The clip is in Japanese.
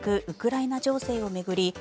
ウクライナ情勢を巡り